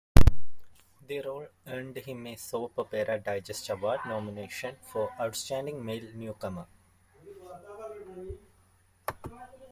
The role earned him a Soap Opera Digest Award nomination for Outstanding Male Newcomer.